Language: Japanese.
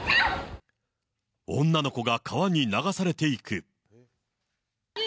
女の子が川に流されていく。